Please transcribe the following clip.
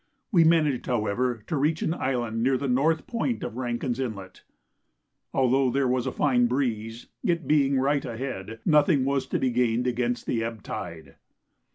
We managed, however, to reach an island near the north point of Rankin's Inlet. Although there was a fine breeze, it being right ahead, nothing was to be gained against the ebb tide.